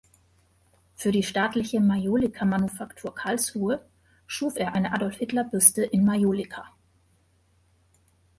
Für die Staatliche Majolika-Manufaktur Karlsruhe schuf er eine Adolf-Hitler-Büste in Majolika.